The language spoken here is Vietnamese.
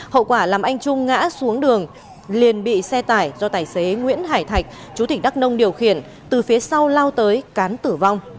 hậu quả làm anh trung ngã xuống đường liền bị xe tải do tài xế nguyễn hải thạch chú tỉnh đắk nông điều khiển từ phía sau lao tới cán tử vong